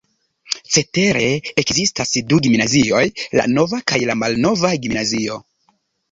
Cetere ekzistas du gimnazioj: La nova kaj la malnova gimnazio.